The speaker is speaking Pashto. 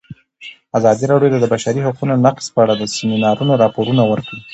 ازادي راډیو د د بشري حقونو نقض په اړه د سیمینارونو راپورونه ورکړي.